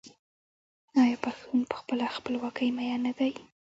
آیا پښتون په خپله خپلواکۍ مین نه دی؟